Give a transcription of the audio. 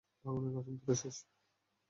ভগবানের কসম, তোরা শেষ!